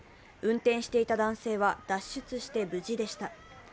運転していた男性は脱出して無事でした。